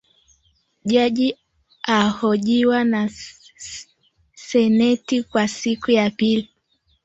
Jaji ahojiwa na seneti kwa siku ya pili